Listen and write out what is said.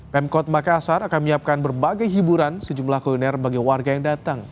pemkot makassar akan menyiapkan berbagai hiburan sejumlah kuliner bagi warga yang datang